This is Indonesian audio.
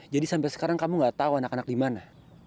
jadi sampai sekarang kamu ga tau anak anak dimana